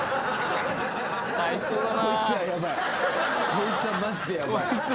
こいつはマジでヤバい。